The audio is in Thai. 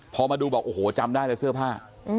พอมาดูบอกโอ้โหจำได้เลยเสื้อผ้า